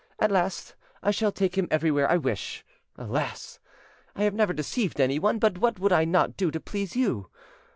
At last I shall take him everywhere I wish.... Alas! I have never deceived anyone; but what would I not do to please you?